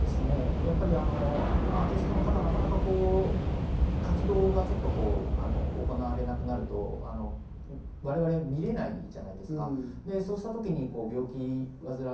やっぱりアーティストの方、なかなか活動がちょっと行われなくなると、我々見れないじゃないですか。